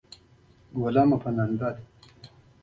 غلی، د علم زده کوونکی وي.